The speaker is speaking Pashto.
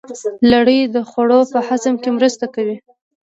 لاړې د خوړو په هضم کې مرسته کوي